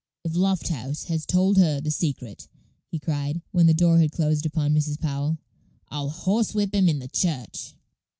"If Lofthouse has told her the secret," he cried, when the door had closed upon Mrs. Powell, "I'll horsewhip him in the church."